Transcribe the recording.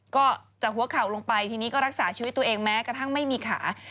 ก็จากหัวเข่าลงไปทีนี้ก็รักษาชีวิตตัวเองแม้กระทั่งไม่มีขา